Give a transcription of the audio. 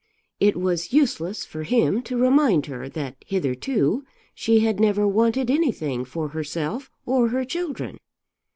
It was useless for him to remind her that hitherto she had never wanted anything for herself or her children.